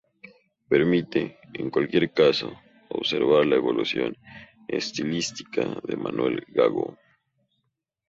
Permite, en cualquier caso, observar la evolución estilística de Manuel Gago.